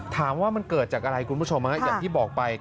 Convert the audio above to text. ว่ามันเกิดจากอะไรคุณผู้ชมอย่างที่บอกไป